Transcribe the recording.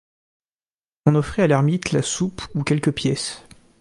On offrait à l'ermite la soupe ou quelques pièces.